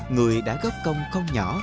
người đã góp công không nhỏ